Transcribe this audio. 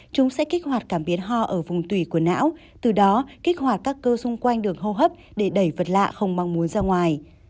chúng sẽ kích hoạt cảm biến ho ở vùng tùy của não từ đó kích hoạt các cơ xung quanh đường hô hấp để đẩy vật lạ không mong muốn ra ngoài